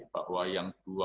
bawahi yang dua